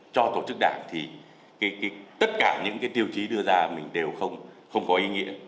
cho tổ chức đảng thì tất cả những cái tiêu chí đưa ra mình đều không có ý nghĩa